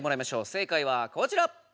正解はこちら！